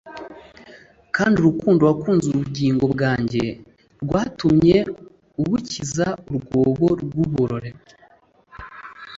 kandi urukundo wakunze ubugingo bwanjye rwatumye ubukiza urwobo rw'iborero